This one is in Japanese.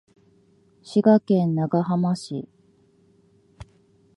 滋賀県長浜市